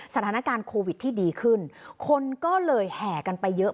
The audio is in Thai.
สถานการณ์โควิดที่ดีขึ้นคนก็เลยแห่กันไปเยอะ